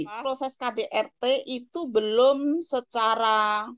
proses kdrt itu belum secara